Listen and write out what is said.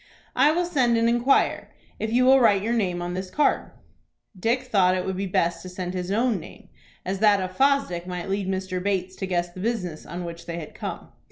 "I will send and inquire, if you will write your name on this card." Dick thought it would be best to send his own name, as that of Fosdick might lead Mr. Bates to guess the business on which they had come.